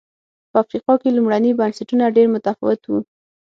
په افریقا کې لومړني بنسټونه ډېر متفاوت و.